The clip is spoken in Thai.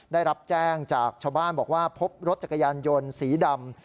ได้รับแจ้งจากชาวบ้านบอกว่าพบรถจักรยานยนต์สีดำ